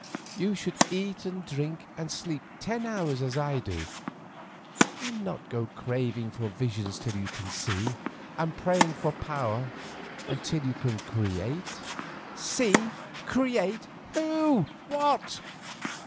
You should eat and drink, and sleep ten hours as I do, and not go craving for vision till you can see, and praying for power until you can create." "See! Create! Who? What?"